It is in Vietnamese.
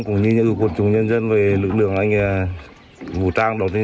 cũng như những quân chủ nhân dân về lực lượng anh vũ trang đầu tiên